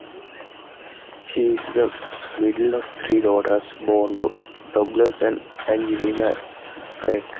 She is the middle of three daughters born to Douglas and Angela Chalke.